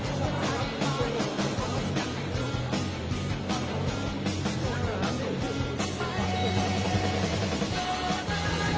เวลาที่มันได้รู้จักกันแล้วเวลาที่ไม่รู้จักกัน